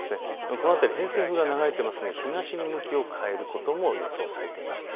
この辺り、偏西風が流れていますので東に向きを変えることも予想されています。